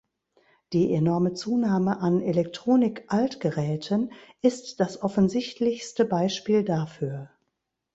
Die enorme Zunahme an Elektronik-Altgeräten ist das offensichtlichste Beispiel dafür.